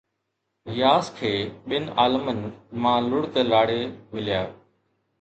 ياس کي ٻن عالمن مان لڙڪ لاڙي مليا